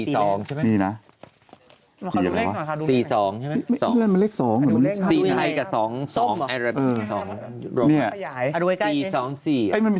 สมัครดูแรกหน่อยทาดูแรก